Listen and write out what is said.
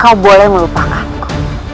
kau boleh melupakan aku